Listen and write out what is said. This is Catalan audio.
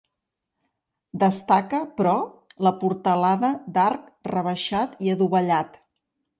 Destaca, però, la portalada d'arc rebaixat i adovellat.